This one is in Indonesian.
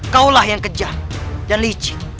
kaulah yang kejam dan licin